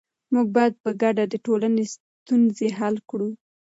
موږ باید په ګډه د ټولنې ستونزې حل کړو.